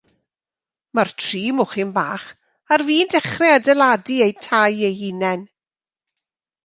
Mae'r tri mochyn bach ar fin dechrau adeiladu eu tai eu hunain.